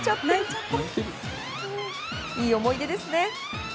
いい思い出ですね。